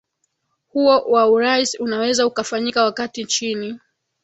huo wa urais unaweza ukafanyika wakati chini